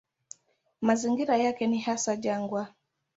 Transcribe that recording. Mazingira yake ni hasa jangwa.